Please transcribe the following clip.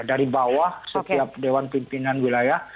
dari bawah setiap dewan pimpinan wilayah